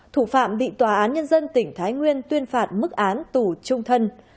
thủ phạm bị tòa án nhân dân tỉnh thái nguyên tuyên phạt mức án tù trung thân